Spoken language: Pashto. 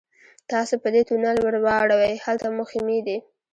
تاسو په دې تونل ورواوړئ هلته مو خیمې دي.